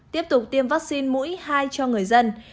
tiếp tục tiêm vaccine mũi hai cho người dân